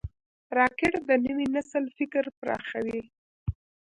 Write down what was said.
راکټ د نوي نسل فکر پراخوي